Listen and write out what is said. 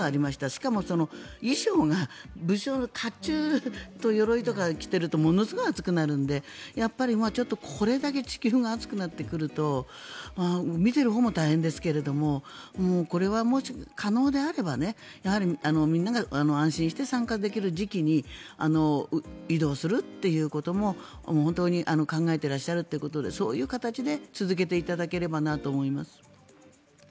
しかも、衣装が武将のかっちゅうとよろいとか着ているとものすごく暑くなるのでやっぱりこれだけ地球が暑くなってくると見ているほうも大変ですけどこれはもし可能であればみんなが安心して参加できる時期に移動するっていうことも考えていらっしゃるということでそういう形で続けていただければと思います。